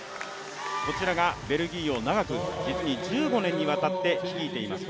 こちらがベルギーを長く、実に１５年にわたって率いています